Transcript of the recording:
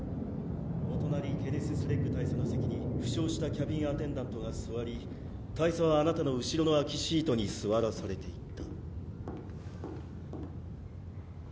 お隣ケネス・スレッグ大佐の席に負傷したキャビンアテンダントが座り大佐はあなたの後ろの空きシートに座らされていた。